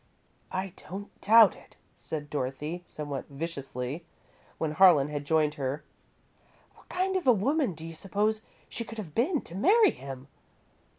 "I don't doubt it," said Dorothy, somewhat viciously, when Harlan had joined her. "What kind of a woman do you suppose she could have been, to marry him?